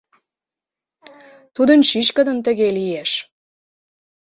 Тудын чӱчкыдын тыге лиеш.